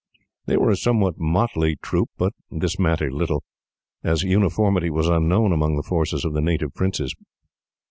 They were a somewhat motley troop, but this mattered little, as uniformity was unknown among the forces of the native princes.